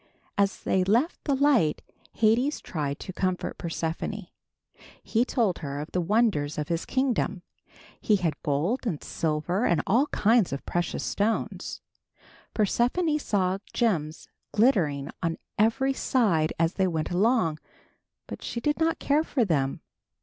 As they left the light, Hades tried to comfort Persephone. He told her of the wonders of his kingdom. He had gold and silver and all kinds of precious stones. Persephone saw gems glittering on every side as they went along, but she did not care for them.